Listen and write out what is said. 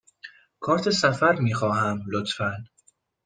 کارت سفر می خواهم، لطفاً.